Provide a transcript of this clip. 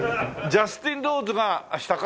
ジャスティン・ローズが下か？